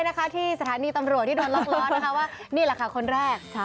นะคะที่สถานีตำรวจที่โดนล็อกล้อนะคะว่านี่แหละค่ะคนแรก